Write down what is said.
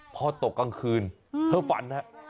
พอตกกลางคืนเธอฝันฮะ